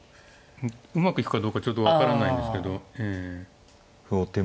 うまくいくかどうかちょっと分からないですけどええ。